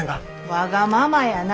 わがままやな。